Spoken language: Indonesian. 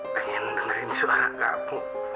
pengen dengerin suara kamu